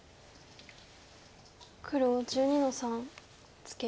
黒１２の三ツケ。